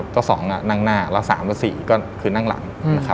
เจ้าสองนั่งหน้าแล้วสามเจ้าสี่ก็คือนั่งหลัง